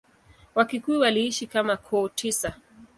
Wakikuyu waliishi kama koo tisa.